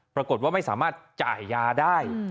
ปรากฏว่าไม่สามารถจ่ายยาได้